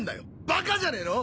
バカじゃねぇの！